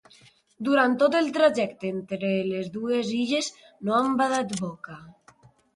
Durant tot el trajecte entre les dues illes no han badat boca.